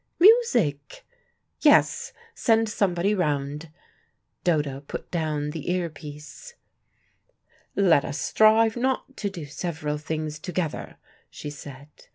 Music. Yes, send somebody round." Dodo put down the ear piece. "Let us strive not to do several things together," she said.